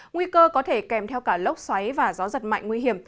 nguy cơ có thể kèm theo cả lốc xoáy và gió giật mạnh nguy hiểm